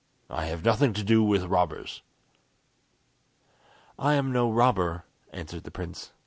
I have nothing to do with robbers." "I am no robber," answered the prince.